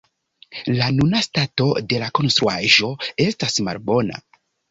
La nuna stato de la konstruaĵo estas malbona.